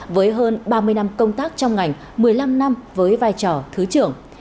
với hơn ba mươi năm công tác trong ngành một mươi năm năm với vai trò thứ trưởng